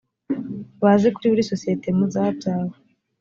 bazi kuri buri sosiyete mu zabyawe